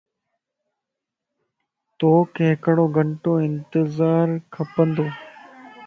توک ھڪڙو گھنٽو انتظار کپندو